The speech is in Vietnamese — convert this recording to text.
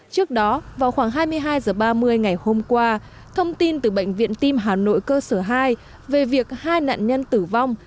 trước đó vào khoảng hai mươi hai h ba mươi ngày hôm qua thông tin từ bệnh viện tim hà nội cơ sở hai về việc hai nạn nhân tử vong